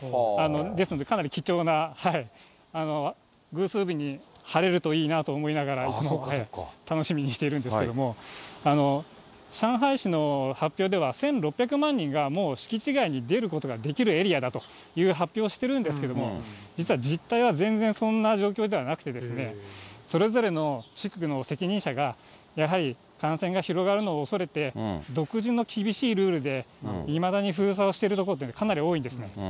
ですので、かなり貴重な、偶数日に晴れるといいなと思いながら、いつも楽しみにしているんですけれども、上海市の発表では、１６００万人が、もう敷地外に出ることができるエリアだという発表をしてるんですけれども、実は実態は全然そんな状況ではなくてですね、それぞれの地区の責任者が、やはり、感染が広がるのを恐れて、独自の厳しいルールでいまだに封鎖をしているところというのはかなり多いんですね。